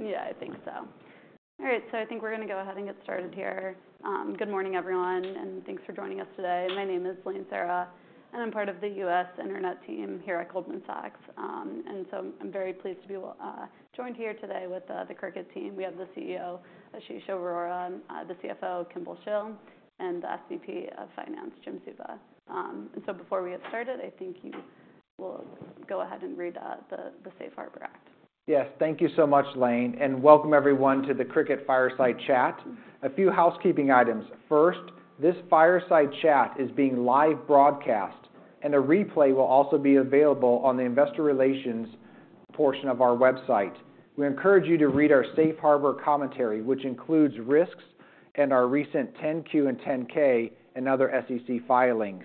Yeah, I think so. All right, so I think we're gonna go ahead and get started here. Good morning, everyone, and thanks for joining us today. My name is Lane Czura, and I'm part of the U.S. Internet team here at Goldman Sachs. I'm very pleased to be joined here today with the Cricut team. We have the CEO, Ashish Arora, and the CFO, Kimball Shill, and the SVP of Finance, Jim Suva. Before we get started, I think you will go ahead and read the Safe Harbor Act. Yes. Thank you so much, Lane, and welcome everyone to the Cricut Fireside Chat. A few housekeeping items. First, this fireside chat is being live broadcast, and a replay will also be available on the investor relations portion of our website. We encourage you to read our Safe Harbor commentary, which includes risks and our recent 10-Q and 10-K, and other SEC filings.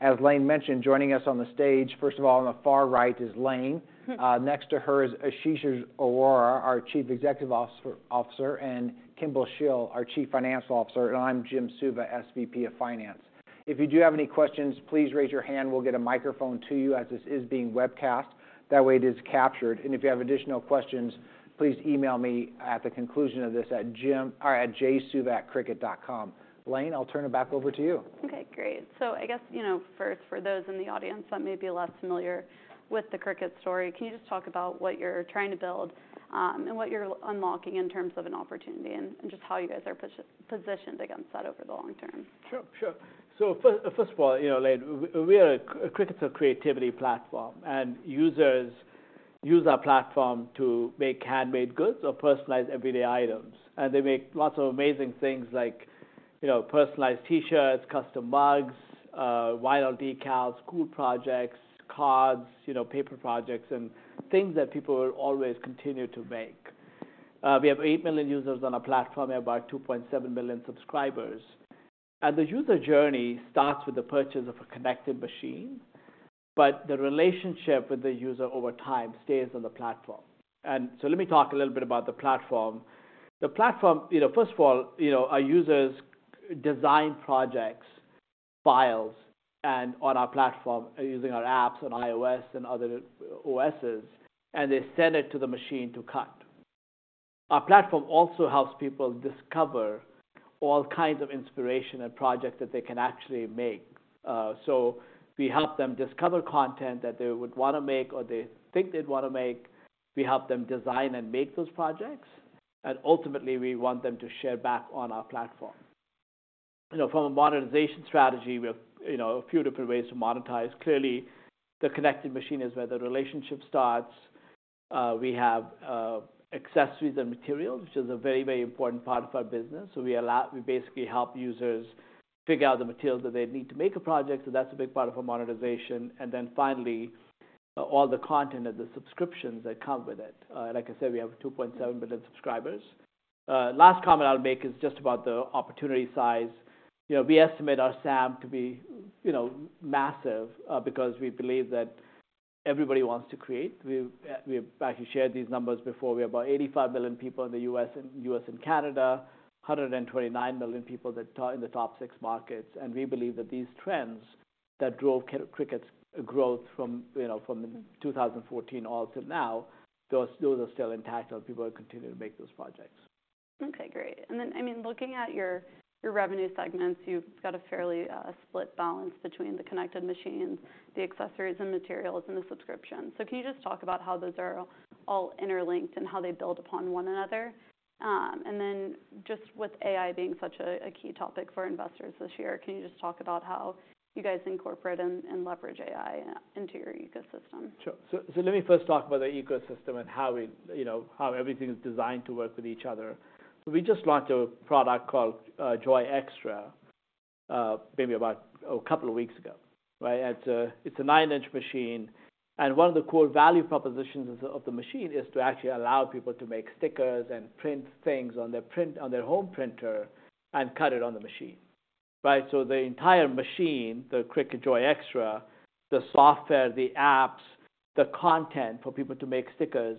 As Lane mentioned, joining us on the stage, first of all, on the far right, is Lane. Next to her is Ashish Arora, our Chief Executive Officer, and Kimball Shill, our Chief Financial Officer, and I'm Jim Suva, SVP of Finance. If you do have any questions, please raise your hand, we'll get a microphone to you as this is being webcast. That way, it is captured. If you have additional questions, please email me at the conclusion of this or at jsuva@cricut.com. Lane, I'll turn it back over to you. Okay, great. So I guess, you know, first, for those in the audience that may be less familiar with the Cricut story, can you just talk about what you're trying to build, and what you're unlocking in terms of an opportunity, and just how you guys are positioned against that over the long term? Sure, sure. So first of all, you know, Lane, we are a, Cricut is a creativity platform, and users use our platform to make handmade goods or personalized everyday items. And they make lots of amazing things like, you know, personalized T-shirts, custom mugs, vinyl decals, cool projects, cards, you know, paper projects, and things that people will always continue to make. We have 8 million users on our platform and about 2.7 million subscribers. And the user journey starts with the purchase of a connected machine, but the relationship with the user over time stays on the platform. And so let me talk a little bit about the platform. The platform... You know, first of all, you know, our users design projects, files, and on our platform using our apps on iOS and other OSes, and they send it to the machine to cut. Our platform also helps people discover all kinds of inspiration and projects that they can actually make. So we help them discover content that they would wanna make or they think they'd wanna make. We help them design and make those projects, and ultimately, we want them to share back on our platform. You know, from a monetization strategy, we have, you know, a few different ways to monetize. Clearly, the connected machine is where the relationship starts. We have accessories and materials, which is a very, very important part of our business. So we basically help users figure out the materials that they'd need to make a project, so that's a big part of our monetization, and then finally, all the content and the subscriptions that come with it. Like I said, we have 2.7 million subscribers. Last comment I'll make is just about the opportunity size. You know, we estimate our SAM to be, you know, massive, because we believe that everybody wants to create. We've actually shared these numbers before. We have about 85 million people in the U.S. and Canada, 129 million people that are in the top six markets, and we believe that these trends that drove Cricut's growth from, you know, from 2014 all till now, those are still intact, and people will continue to make those projects. Okay, great. And then, I mean, looking at your, your revenue segments, you've got a fairly split balance between the connected machines, the accessories and materials, and the subscription. So can you just talk about how those are all interlinked and how they build upon one another? And then just with AI being such a key topic for investors this year, can you just talk about how you guys incorporate and leverage AI into your ecosystem? Sure. So, so let me first talk about the ecosystem and how we, you know, how everything is designed to work with each other. So we just launched a product called Joy Xtra maybe about a couple of weeks ago, right? It's a nine-inch machine, and one of the core value propositions of the machine is to actually allow people to make stickers and print things on their home printer and cut it on the machine, right? So the entire machine, the Cricut Joy Xtra, the software, the apps, the content for people to make stickers,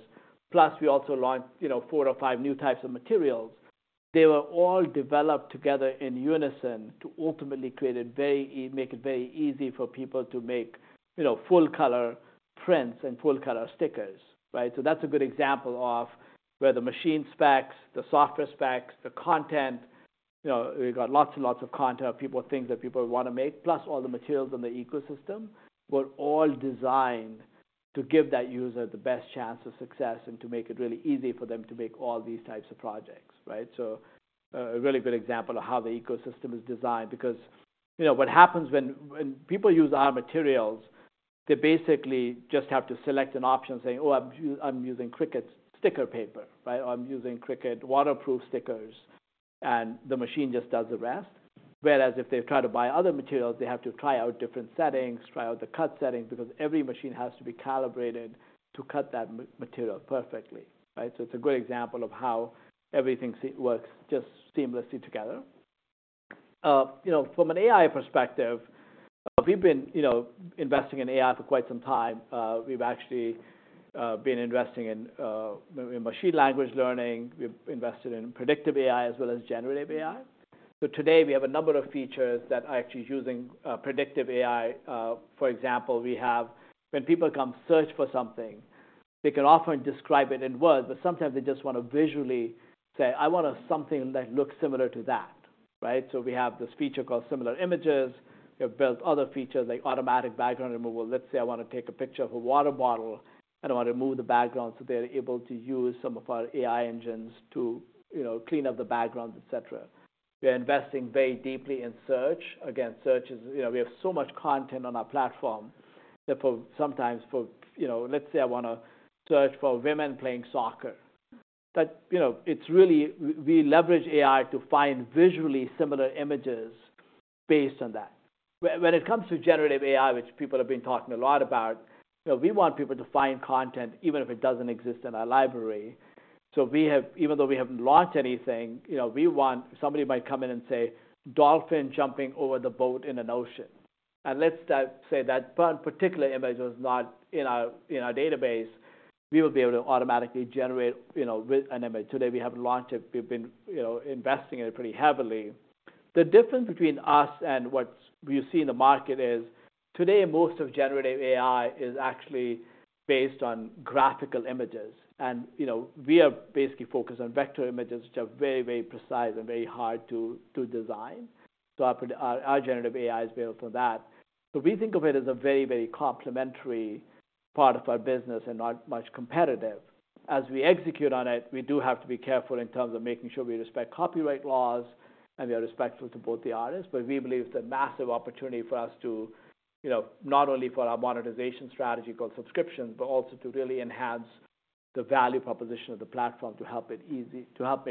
plus we also launched, you know, four or five new types of materials. They were all developed together in unison to ultimately make it very easy for people to make, you know, full-color prints and full-color stickers, right? So that's a good example of where the machine specs, the software specs, the content, you know, we've got lots and lots of content, things that people wanna make, plus all the materials in the ecosystem, were all designed to give that user the best chance of success and to make it really easy for them to make all these types of projects, right? So, a really good example of how the ecosystem is designed because, you know, what happens when people use our materials, they basically just have to select an option saying, "Oh, I'm using Cricut's sticker paper," right? "I'm using Cricut waterproof stickers," and the machine just does the rest. Whereas if they've tried to buy other materials, they have to try out different settings, try out the cut settings, because every machine has to be calibrated to cut that material perfectly, right? So it's a great example of how everything works just seamlessly together. You know, from an AI perspective, we've been, you know, investing in AI for quite some time. We've actually been investing in machine learning, we've invested in predictive AI as well as generative AI. So today, we have a number of features that are actually using predictive AI. For example, we have, when people come search for something, they can often describe it in words, but sometimes they just want to visually say, "I want something that looks similar to that," right? So we have this feature called Similar Images. We have built other features like automatic background removal. Let's say I want to take a picture of a water bottle, and I want to remove the background, so they're able to use some of our AI engines to, you know, clean up the background, et cetera. We're investing very deeply in search. Again, search is, you know. We have so much content on our platform that sometimes for, you know, let's say I want to search for women playing soccer. But, you know, it's really. We leverage AI to find visually similar images based on that. When it comes to generative AI, which people have been talking a lot about, you know, we want people to find content even if it doesn't exist in our library. So we have, even though we haven't launched anything, you know, we want... Somebody might come in and say, "Dolphin jumping over the boat in an ocean." And let's say that particular image was not in our database, we would be able to automatically generate, you know, with an image. Today, we have launched it. We've been, you know, investing in it pretty heavily. The difference between us and what we see in the market is, today, most of generative AI is actually based on graphical images, and, you know, we are basically focused on vector images, which are very, very precise and very hard to design. So our generative AI is built for that. So we think of it as a very, very complementary part of our business and not much competitive. As we execute on it, we do have to be careful in terms of making sure we respect copyright laws, and we are respectful to both the artists, but we believe it's a massive opportunity for us to, you know, not only for our monetization strategy called subscription, but also to really enhance the value proposition of the platform to help make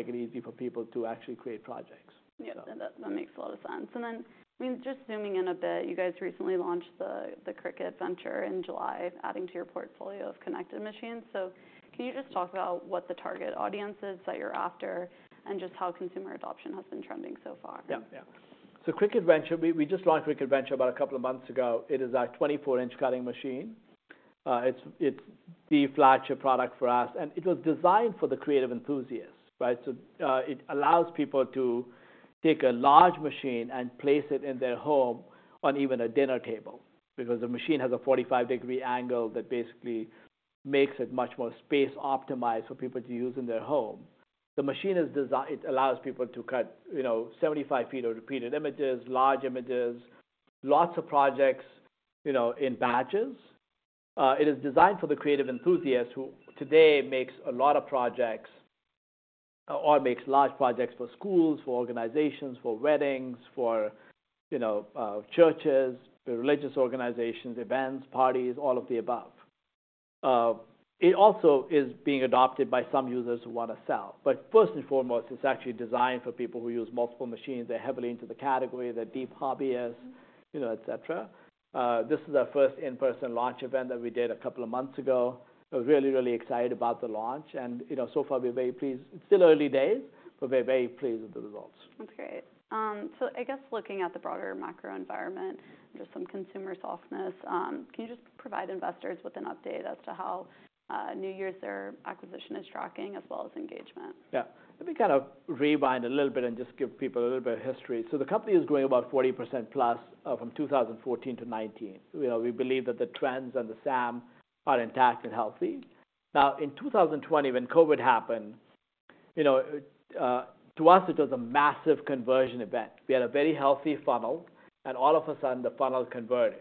it easy for people to actually create projects. Yeah, that, that makes a lot of sense. And then, I mean, just zooming in a bit, you guys recently launched the, the Cricut Venture in July, adding to your portfolio of connected machines. So can you just talk about what the target audience is that you're after and just how consumer adoption has been trending so far? Yeah. Yeah. So Cricut Venture, we just launched Cricut Venture about a couple of months ago. It is our 24-inch cutting machine. It's the flagship product for us, and it was designed for the creative enthusiasts, right? So, it allows people to take a large machine and place it in their home on even a dinner table, because the machine has a 45-degree angle that basically makes it much more space-optimized for people to use in their home. The machine allows people to cut, you know, 75 feet of repeated images, large images, lots of projects, you know, in batches. It is designed for the creative enthusiasts, who today makes a lot of projects or makes large projects for schools, for organizations, for weddings, for, you know, churches, religious organizations, events, parties, all of the above. It also is being adopted by some users who want to sell. But first and foremost, it's actually designed for people who use multiple machines. They're heavily into the category, they're deep hobbyists, you know, et cetera. This is our first in-person launch event that we did a couple of months ago. We're really, really excited about the launch, and, you know, so far, we're very pleased. It's still early days, but we're very pleased with the results. That's great. So I guess looking at the broader macro environment, there's some consumer softness. Can you just provide investors with an update as to how new user acquisition is tracking as well as engagement? Yeah. Let me kind of rewind a little bit and just give people a little bit of history. So the company is growing about 40%+ from 2014 to 2019. You know, we believe that the trends and the SAM are intact and healthy. Now, in 2020, when COVID happened, you know, to us, it was a massive conversion event. We had a very healthy funnel, and all of a sudden, the funnel converted.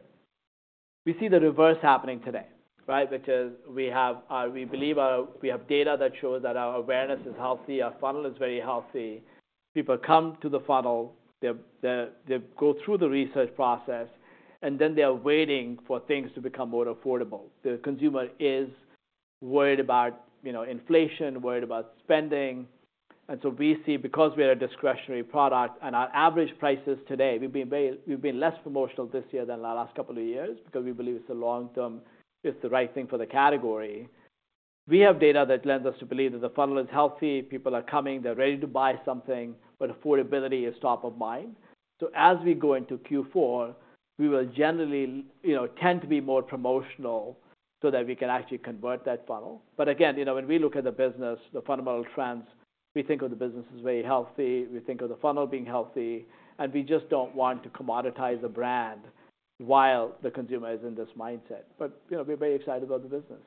We see the reverse happening today, right? Because we have, we believe, we have data that shows that our awareness is healthy, our funnel is very healthy. People come to the funnel, they go through the research process, and then they are waiting for things to become more affordable. The consumer is worried about, you know, inflation, worried about spending, and so we see, because we are a discretionary product and our average prices today, we've been less promotional this year than the last couple of years because we believe it's a long-term, it's the right thing for the category. We have data that leads us to believe that the funnel is healthy, people are coming, they're ready to buy something, but affordability is top of mind. So as we go into Q4, we will generally, you know, tend to be more promotional so that we can actually convert that funnel. But again, you know, when we look at the business, the fundamental trends, we think of the business as very healthy, we think of the funnel being healthy, and we just don't want to commoditize the brand while the consumer is in this mindset. But, you know, we're very excited about the business.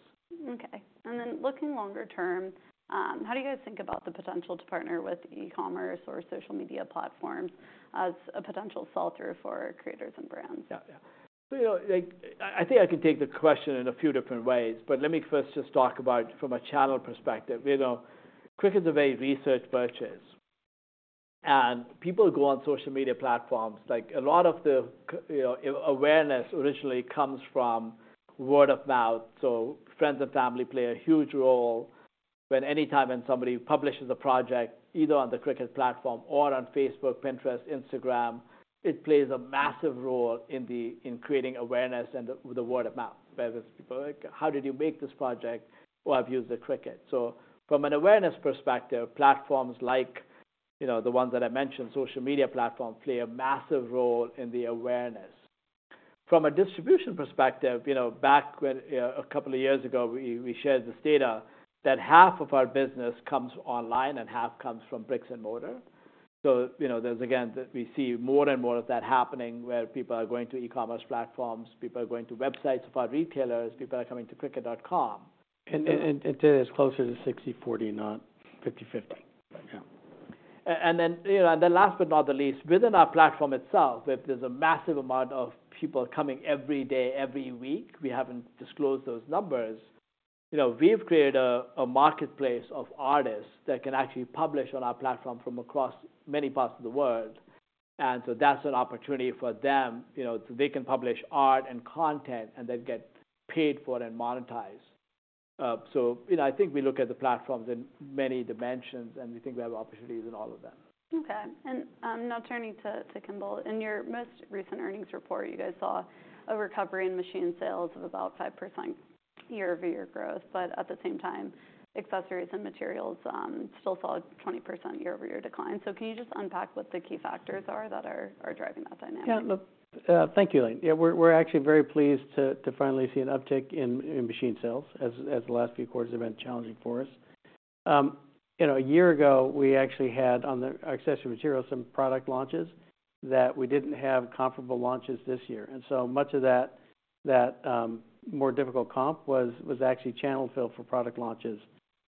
Okay. Then looking longer term, how do you guys think about the potential to partner with e-commerce or social media platforms as a potential seller for creators and brands? Yeah, yeah. So, you know, like, I, I think I can take the question in a few different ways, but let me first just talk about from a channel perspective. You know, Cricut is a very researched purchase, and people go on social media platforms. Like, a lot of the you know, awareness originally comes from word of mouth, so friends and family play a huge role. When anytime when somebody publishes a project, either on the Cricut platform or on Facebook, Pinterest, Instagram, it plays a massive role in the- in creating awareness and the, the word of mouth. Whether it's people like: "How did you make this project? Well, I've used the Cricut." So from an awareness perspective, platforms like, you know, the ones that I mentioned, social media platforms, play a massive role in the awareness. From a distribution perspective, you know, back when a couple of years ago, we shared this data that half of our business comes online and half comes from bricks and mortar. So, you know, there's, again, that we see more and more of that happening, where people are going to e-commerce platforms, people are going to websites for our retailers, people are coming to cricut.com. Today it's closer to 60/40, not 50/50 right now. And then, you know, and then last but not the least, within our platform itself, if there's a massive amount of people coming every day, every week, we haven't disclosed those numbers. You know, we've created a marketplace of artists that can actually publish on our platform from across many parts of the world. And so that's an opportunity for them, you know, so they can publish art and content and then get paid for it and monetized. So, you know, I think we look at the platforms in many dimensions, and we think we have opportunities in all of them. Okay. And, now turning to Kimball. In your most recent earnings report, you guys saw a recovery in machine sales of about 5% year-over-year growth, but at the same time, accessories and materials still saw a 20% year-over-year decline. So can you just unpack what the key factors are that are driving that dynamic? Yeah, look, thank you, Lane. Yeah, we're actually very pleased to finally see an uptick in machine sales, as the last few quarters have been challenging for us. You know, a year ago, we actually had, on the accessory materials, some product launches that we didn't have comparable launches this year. And so much of that more difficult comp was actually channel fill for product launches.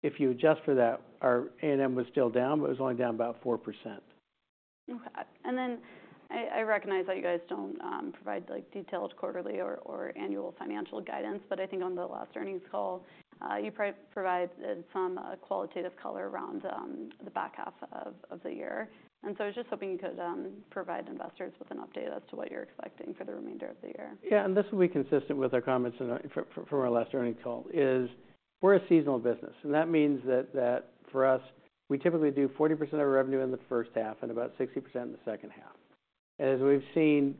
If you adjust for that, our A&M was still down, but it was only down about 4%. Okay. Then I recognize that you guys don't provide, like, detailed quarterly or annual financial guidance, but I think on the last earnings call, you provided some qualitative color around the back half of the year. So I was just hoping you could provide investors with an update as to what you're expecting for the remainder of the year. Yeah, and this will be consistent with our comments in our... From our last earnings call, is we're a seasonal business, and that means that for us, we typically do 40% of our revenue in the first half and about 60% in the second half. And as we've seen,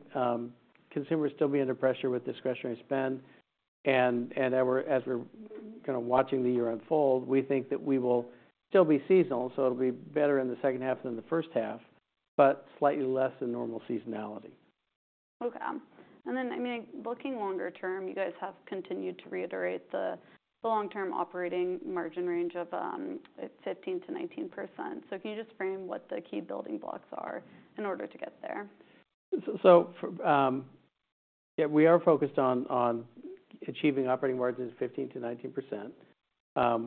consumers still be under pressure with discretionary spend, and as we're kind of watching the year unfold, we think that we will still be seasonal, so it'll be better in the second half than the first half, but slightly less than normal seasonality. Okay. And then, I mean, looking longer term, you guys have continued to reiterate the long-term operating margin range of 15%-19%. So can you just frame what the key building blocks are in order to get there? Yeah, we are focused on achieving operating margins 15%-19%.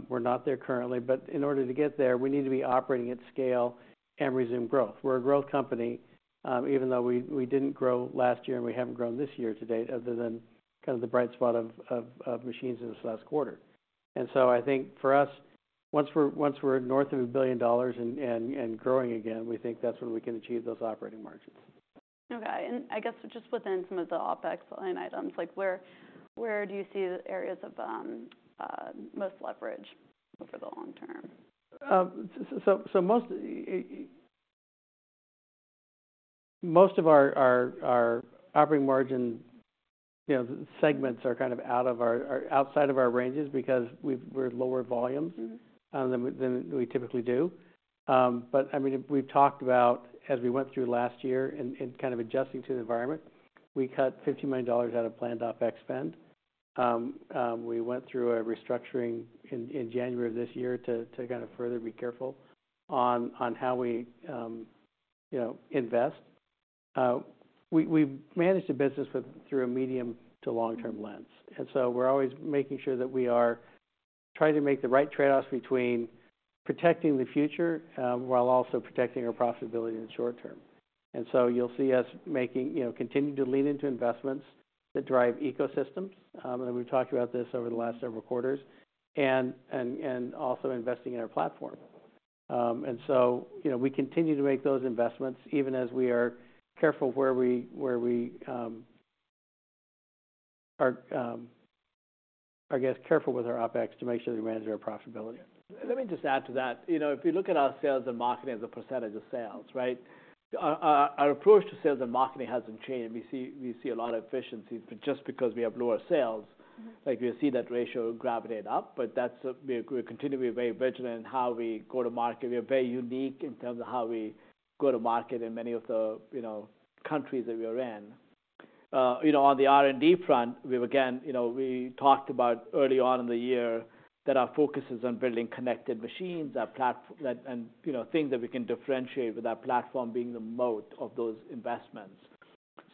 We're not there currently, but in order to get there, we need to be operating at scale and resume growth. We're a growth company, even though we didn't grow last year and we haven't grown this year to date, other than kind of the bright spot of machines in this last quarter. And so I think for us, once we're north of $1 billion and growing again, we think that's when we can achieve those operating margins. Okay. And I guess just within some of the OpEx line items, like where do you see the areas of most leverage over the long term? Most of our operating margin, you know, segments are kind of out of our - are outside of our ranges because we're at lower volumes- Mm-hmm. than we typically do. But I mean, we've talked about, as we went through last year and kind of adjusting to the environment, we cut $50 million out of planned OpEx spend. We went through a restructuring in January of this year to kind of further be careful on how we, you know, invest. We've managed the business through a medium- to long-term lens. Mm-hmm. And so we're always making sure that we are trying to make the right trade-offs between protecting the future, while also protecting our profitability in the short term. And so you'll see us making, you know, continuing to lean into investments that drive ecosystems, and we've talked about this over the last several quarters, and also investing in our platform. And so, you know, we continue to make those investments even as we are careful where we are, I guess, careful with our OpEx to make sure we manage our profitability. Let me just add to that. You know, if you look at our sales and marketing as a percentage of sales, right? Our approach to sales and marketing hasn't changed. We see a lot of efficiencies, but just because we have lower sales- Mm-hmm. Like, we see that ratio gravitating up, but that's – we're continuing to be very vigilant in how we go to market. We are very unique in terms of how we go to market in many of the, you know, countries that we are in. You know, on the R&D front, we've again, you know, we talked about early on in the year that our focus is on building connected machines, our platform. And, and, you know, things that we can differentiate with our platform being the moat of those investments.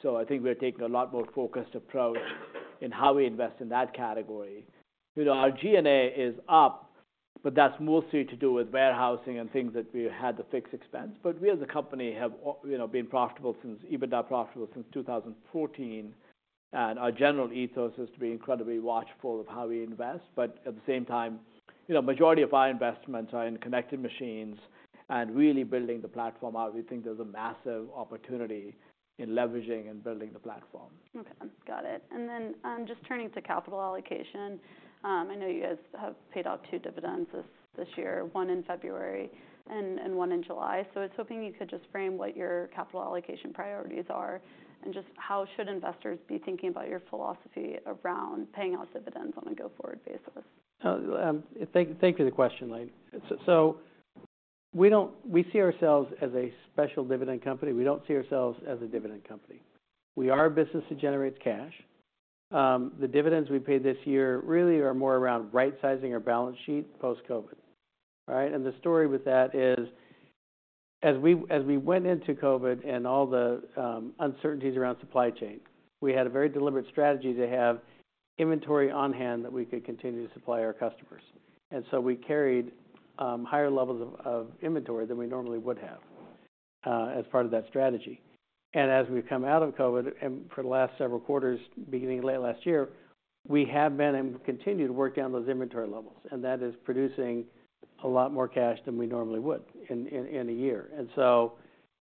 So I think we're taking a lot more focused approach in how we invest in that category. You know, our G&A is up, but that's mostly to do with warehousing and things that we had to fix expense. But we, as a company, have, you know, been profitable since EBITDA profitable since 2014, and our general ethos is to be incredibly watchful of how we invest. But at the same time, you know, majority of our investments are in connected machines and really building the platform out. We think there's a massive opportunity in leveraging and building the platform. Okay, got it. And then, just turning to capital allocation. I know you guys have paid out two dividends this, this year, one in February and, and one in July. So I was hoping you could just frame what your capital allocation priorities are, and just how should investors be thinking about your philosophy around paying out dividends on a go-forward basis? Thank you for the question, Lane. We don't see ourselves as a special dividend company. We don't see ourselves as a dividend company. We are a business that generates cash. The dividends we paid this year really are more around right-sizing our balance sheet post-COVID. All right? And the story with that is, as we went into COVID and all the uncertainties around supply chain, we had a very deliberate strategy to have inventory on hand that we could continue to supply our customers. And so we carried higher levels of inventory than we normally would have, as part of that strategy. As we've come out of COVID, and for the last several quarters, beginning late last year, we have been and continue to work down those inventory levels, and that is producing a lot more cash than we normally would in a year. And so,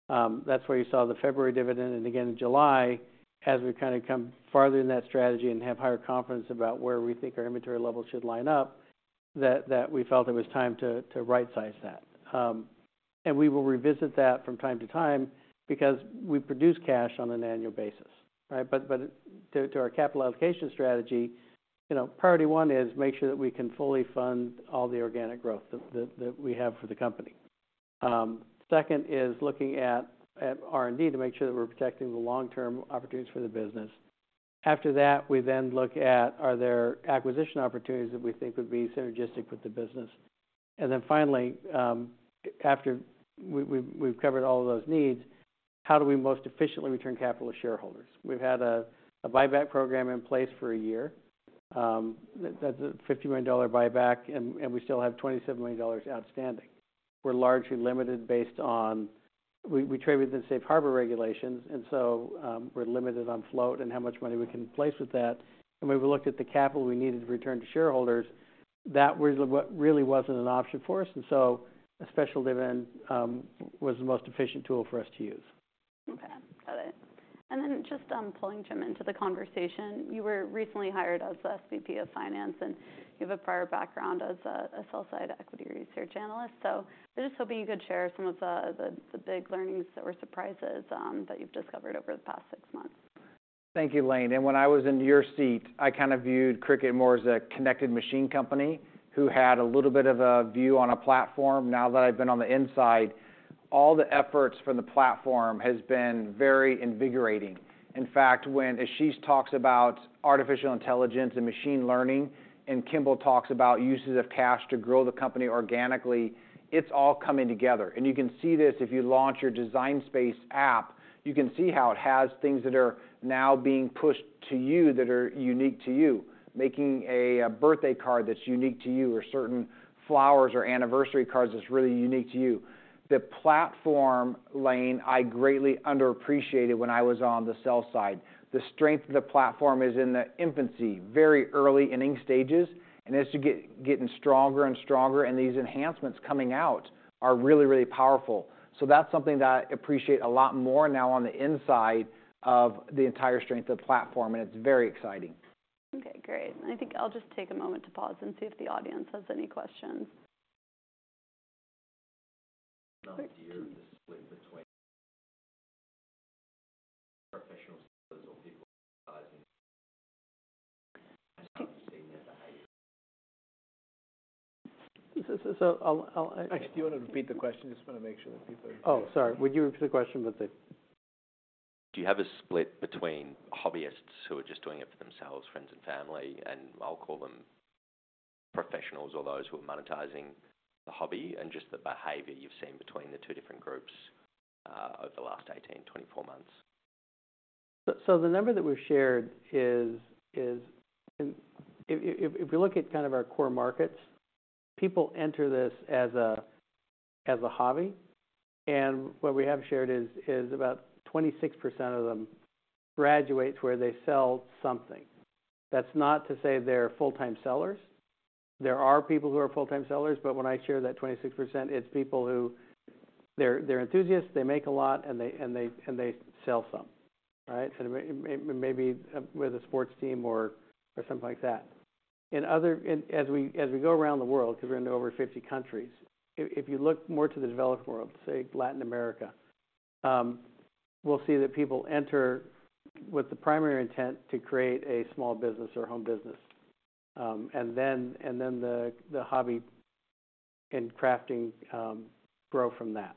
that's where you saw the February dividend and again in July, as we've kind of come farther in that strategy and have higher confidence about where we think our inventory levels should line up, that we felt it was time to rightsize that. And we will revisit that from time to time because we produce cash on an annual basis, right? But to our capital allocation strategy, you know, priority one is make sure that we can fully fund all the organic growth that we have for the company. Second is looking at R&D to make sure that we're protecting the long-term opportunities for the business. After that, we then look at, are there acquisition opportunities that we think would be synergistic with the business? And then finally, after we've covered all of those needs, how do we most efficiently return capital to shareholders? We've had a buyback program in place for a year, that's a $50 million buyback, and we still have $27 million outstanding. We're largely limited based on... We trade within Safe Harbor regulations, and so, we're limited on float and how much money we can place with that. When we looked at the capital we needed to return to shareholders, that really wasn't an option for us, and so a special dividend was the most efficient tool for us to use. Okay, got it. Then just pulling Jim into the conversation. You were recently hired as the SVP of Finance, and you have a prior background as a sell-side equity research analyst. So I'm just hoping you could share some of the big learnings that were surprises that you've discovered over the past six months. Thank you, Lane. When I was in your seat, I kind of viewed Cricut more as a connected machine company who had a little bit of a view on a platform. Now that I've been on the inside, all the efforts from the platform has been very invigorating. In fact, when Ashish talks about artificial intelligence and machine learning, and Kimball talks about uses of cash to grow the company organically, it's all coming together. You can see this if you launch your Design Space app, you can see how it has things that are now being pushed to you that are unique to you. Making a birthday card that's unique to you, or certain flowers or anniversary cards that's really unique to you. The platform, Lane, I greatly underappreciated when I was on the sell side. The strength of the platform is in the infancy, very early inning stages, and it's getting stronger and stronger, and these enhancements coming out are really, really powerful. So that's something that I appreciate a lot more now on the inside of the entire strength of the platform, and it's very exciting. Okay, great. I think I'll just take a moment to pause and see if the audience has any questions. Do you have a split between professionals or people? So, I'll... Ash, do you want to repeat the question? Just want to make sure that people are- Oh, sorry. Would you repeat the question about the- Do you have a split between hobbyists who are just doing it for themselves, friends and family, and I'll call them professionals or those who are monetizing the hobby, and just the behavior you've seen between the two different groups, over the last 18-24 months? So, the number that we've shared is... If we look at kind of our core markets, people enter this as a hobby, and what we have shared is about 26% of them graduate to where they sell something. That's not to say they're full-time sellers. There are people who are full-time sellers, but when I share that 26%, it's people who are enthusiasts, they make a lot, and they sell some, right? So maybe with a sports team or something like that. As we go around the world, because we're in over 50 countries, if you look more to the developed world, say, Latin America, we'll see that people enter with the primary intent to create a small business or home business, and then the hobby and crafting grow from that.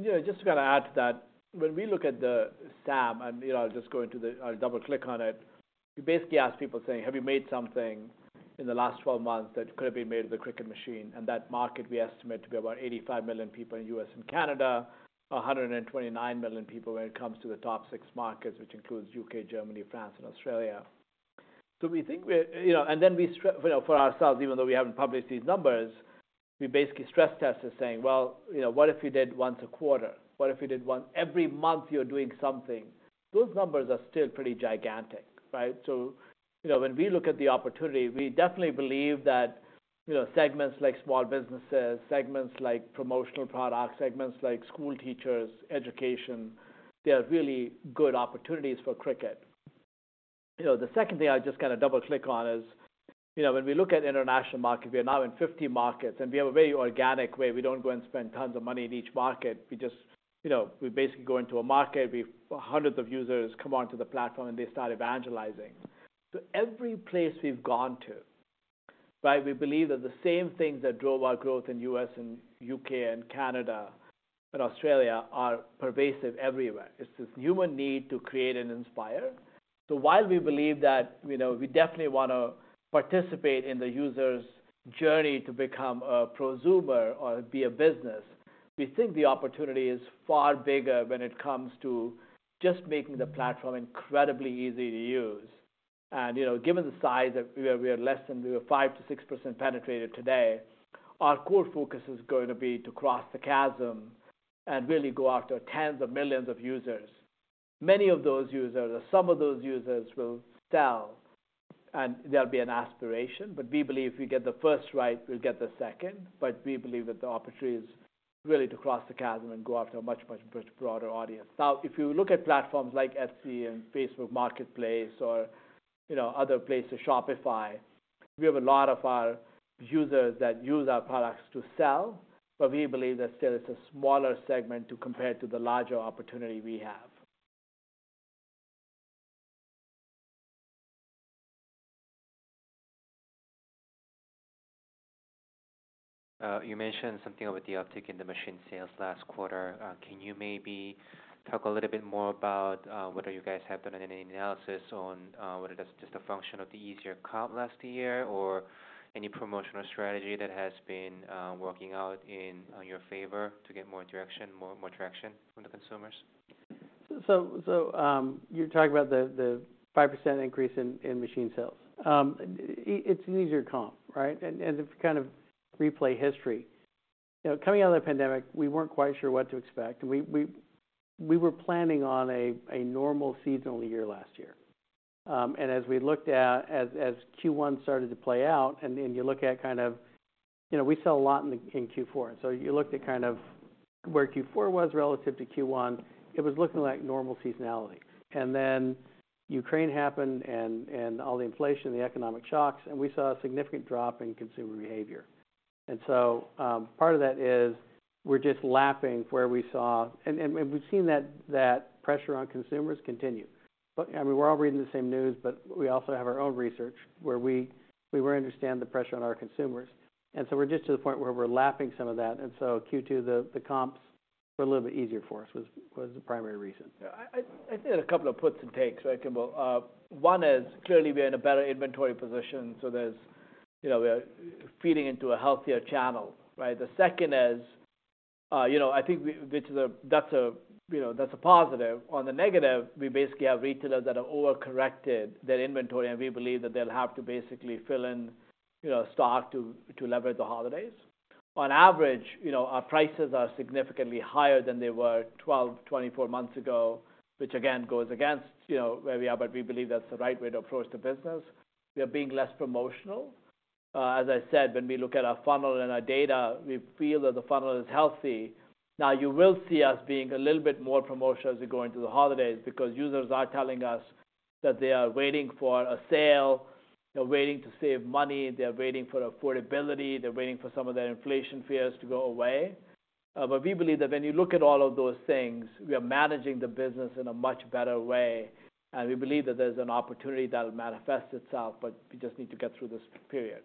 Yeah, just to kind of add to that, when we look at the SAM, and, you know, I'll just go into the-- I'll double-click on it. We basically ask people saying: Have you made something in the last 12 months that could have been made with a Cricut machine? And that market, we estimate to be about 85 million people in U.S. and Canada, 129 million people when it comes to the top six markets, which includes U.K., Germany, France, and Australia. So we think we're, you know... And then we you know, for ourselves, even though we haven't published these numbers, we basically stress test it saying, "Well, you know, what if you did once a quarter? What if you did once every month, you're doing something?" Those numbers are still pretty gigantic, right? So, you know, when we look at the opportunity, we definitely believe that, you know, segments like small businesses, segments like promotional products, segments like school teachers, education, they are really good opportunities for Cricut. You know, the second thing I just kind of double-click on is, you know, when we look at international markets, we are now in 50 markets, and we have a very organic way. We don't go and spend tons of money in each market. We just, you know, we basically go into a market, hundreds of users come onto the platform, and they start evangelizing. So every place we've gone to, right, we believe that the same things that drove our growth in U.S., and U.K., and Canada, and Australia are pervasive everywhere. It's this human need to create and inspire. So while we believe that, you know, we definitely want to participate in the user's journey to become a prosumer or be a business, we think the opportunity is far bigger when it comes to just making the platform incredibly easy to use. And, you know, given the size of where we are less than we have 5%-6% penetrated today, our core focus is going to be to cross the chasm and really go after tens of millions of users. Many of those users, or some of those users, will sell, and there'll be an aspiration, but we believe if we get the first right, we'll get the second. But we believe that the opportunity is really to cross the chasm and go after a much, much broader audience. Now, if you look at platforms like Etsy and Facebook Marketplace or, you know, other places, Shopify, we have a lot of our users that use our products to sell, but we believe that still it's a smaller segment to compare to the larger opportunity we have. You mentioned something about the uptick in the machine sales last quarter. Can you maybe talk a little bit more about whether you guys have done any analysis on whether that's just a function of the easier comp last year, or any promotional strategy that has been working out in your favor to get more interaction, more traction from the consumers? So, you're talking about the 5% increase in machine sales. It's an easier comp, right? And to kind of replay history, you know, coming out of the pandemic, we weren't quite sure what to expect, and we were planning on a normal seasonal year last year. And as we looked at, as Q1 started to play out, and then you look at kind of. You know, we sell a lot in Q4, and so you looked at kind of where Q4 was relative to Q1, it was looking like normal seasonality. And then Ukraine happened and all the inflation, the economic shocks, and we saw a significant drop in consumer behavior. And so, part of that is we're just lapping where we saw and we've seen that pressure on consumers continue. But, I mean, we're all reading the same news, but we also have our own research where we really understand the pressure on our consumers. And so we're just to the point where we're lapping some of that. And so Q2, the comps were a little bit easier for us, was the primary reason. Yeah. I think there are a couple of puts and takes, right, Kimball? One is, clearly, we're in a better inventory position, so there's, you know, we're feeding into a healthier channel, right? The second is, you know, I think we—which is a—that's a, you know, that's a positive. On the negative, we basically have retailers that have overcorrected their inventory, and we believe that they'll have to basically fill in, you know, stock to, to leverage the holidays. On average, you know, our prices are significantly higher than they were 12, 24 months ago, which again, goes against, you know, where we are, but we believe that's the right way to approach the business. We are being less promotional. As I said, when we look at our funnel and our data, we feel that the funnel is healthy. Now, you will see us being a little bit more promotional as we go into the holidays because users are telling us that they are waiting for a sale, they're waiting to save money, they're waiting for affordability, they're waiting for some of their inflation fears to go away. But we believe that when you look at all of those things, we are managing the business in a much better way, and we believe that there's an opportunity that will manifest itself, but we just need to get through this period,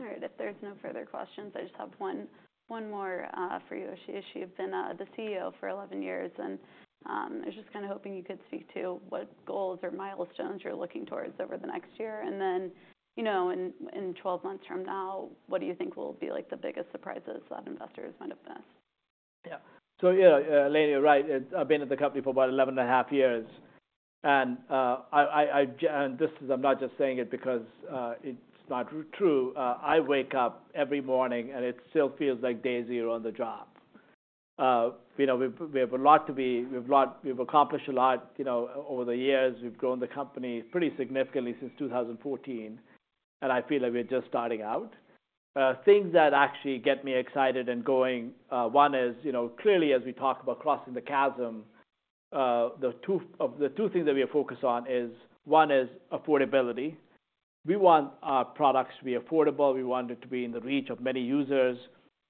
so. All right. If there's no further questions, I just have one more for you, Ashish. You've been the CEO for 11 years, and I was just kinda hoping you could speak to what goals or milestones you're looking towards over the next year. And then, you know, in 12 months from now, what do you think will be, like, the biggest surprises that investors might have missed? Yeah. So, yeah, Lane, you're right. I've been at the company for about 11.5 years, and this is... I'm not just saying it because it's not true. I wake up every morning, and it still feels like day zero on the job. You know, we've accomplished a lot, you know, over the years. We've grown the company pretty significantly since 2014, and I feel like we're just starting out. Things that actually get me excited and going, one is, you know, clearly, as we talk about crossing the chasm, the two things that we are focused on is, one is affordability. We want our products to be affordable. We want it to be in the reach of many users,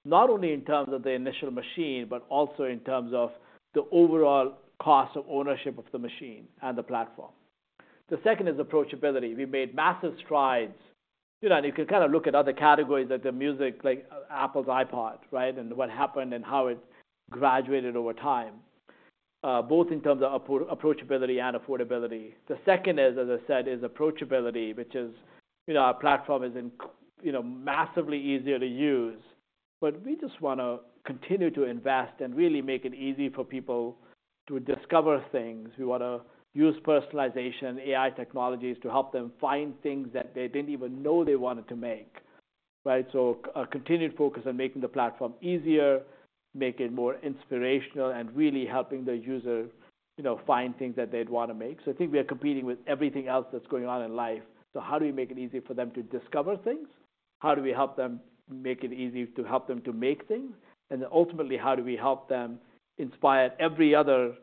not only in terms of the initial machine, but also in terms of the overall cost of ownership of the machine and the platform. The second is approachability. We've made massive strides. You know, and you can kind of look at other categories, like the music, like Apple's iPod, right? And what happened and how it graduated over time, both in terms of approachability and affordability. The second is, as I said, is approachability, which is, you know, our platform is incredibly you know, massively easier to use. But we just want to continue to invest and really make it easy for people to discover things. We want to use personalization, AI technologies, to help them find things that they didn't even know they wanted to make, right? So a continued focus on making the platform easier, make it more inspirational, and really helping the user, you know, find things that they'd want to make. So I think we are competing with everything else that's going on in life. So how do we make it easy for them to discover things? How do we help them make it easy to help them to make things? And then ultimately, how do we help them inspire every other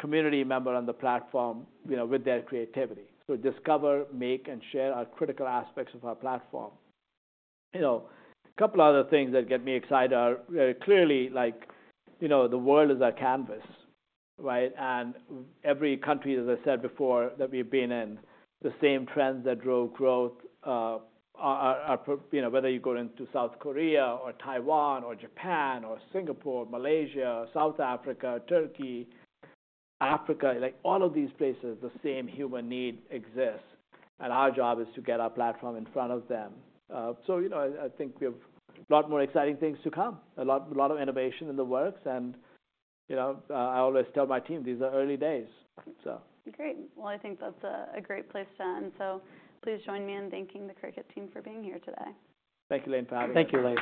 community member on the platform, you know, with their creativity? So discover, make, and share are critical aspects of our platform. You know, a couple other things that get me excited are, clearly, like, you know, the world is our canvas, right? Every country, as I said before, that we've been in, the same trends that drove growth, you know, whether you go into South Korea or Taiwan or Japan or Singapore, Malaysia, South Africa, Turkey, Africa, like, all of these places, the same human need exists, and our job is to get our platform in front of them. So you know, I think we have a lot more exciting things to come, a lot of innovation in the works, and, you know, I always tell my team, "These are early days," so. Great. Well, I think that's a great place to end. So please join me in thanking the Cricut team for being here today. Thank you, Lane, for having us. Thank you, Lane.